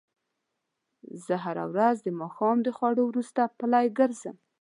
زه هره ورځ د ماښام د خوړو وروسته پلۍ ګرځم